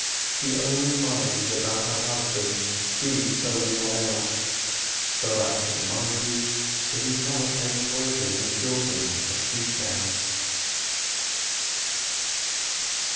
She only minds about her husband's being so worn out, so absent minded that he cannot take pleasure in the children as she can.